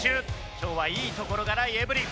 今日はいいところがないエブリン。